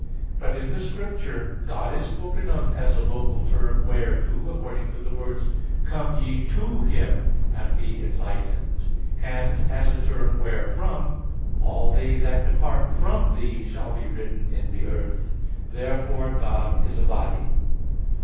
_ But in the Scriptures God is spoken of as a local term whereto, according to the words, "Come ye to Him and be enlightened" (Ps. 33:6), and as a term wherefrom: "All they that depart from Thee shall be written in the earth" (Jer. 17:13). Therefore God is a body.